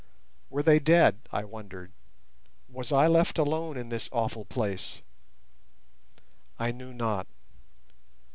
"Were they dead?" I wondered. "Was I left alone in this awful place?" I knew not.